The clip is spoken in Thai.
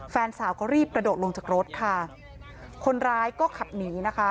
แฟนสาวก็รีบกระโดดลงจากรถค่ะคนร้ายก็ขับหนีนะคะ